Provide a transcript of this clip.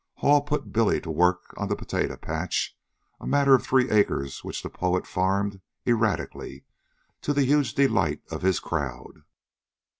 Hall put Billy to work on the potato patch a matter of three acres which the poet farmed erratically to the huge delight of his crowd.